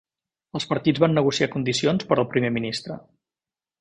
Els partits van negociar condiciones per al primer ministre.